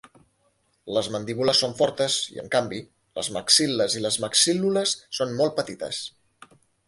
Les mandíbules són fortes i, en canvi, les maxil·les i les maxíl·lules són molt petites.